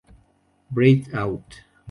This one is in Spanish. Breathe Out.